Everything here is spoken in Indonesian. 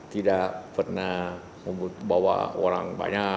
tidak pernah membawa orang banyak